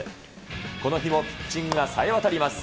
この日もピッチングがさえわたります。